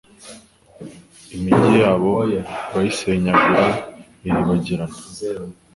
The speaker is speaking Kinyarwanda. imigi yabo urayisenyagura iribagirana